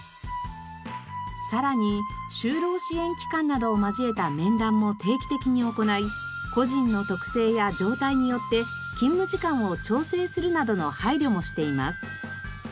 さらに就労支援機関などを交えた面談も定期的に行い個人の特性や状態によって勤務時間を調整するなどの配慮もしています。